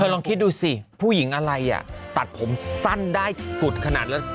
ลองคิดดูสิผู้หญิงอะไรอ่ะตัดผมสั้นได้สุดขนาดนั้น